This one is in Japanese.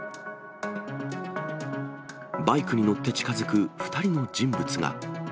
バイクに乗って近づく２人の人物が。